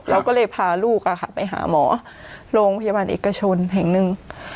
เราก็เลยพาลูกไปหาหมอโรงพยาบาลเอกชนแห่งหนึ่ง